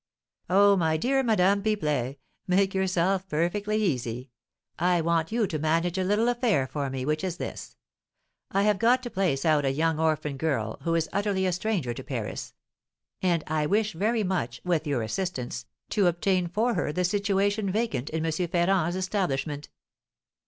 "Oh, my dear Madame Pipelet, make yourself perfectly easy! I want you to manage a little affair for me, which is this: I have got to place out a young orphan girl, who is utterly a stranger to Paris; and I wish very much, with your assistance, to obtain for her the situation vacant in M. Ferrand's establishment."